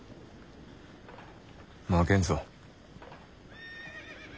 負けんぞ。